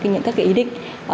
những cái ý định